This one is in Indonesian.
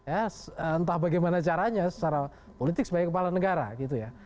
ya entah bagaimana caranya secara politik sebagai kepala negara gitu ya